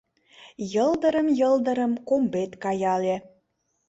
Йылдырым-йылдырым комбет каяле